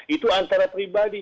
itu antara pribadi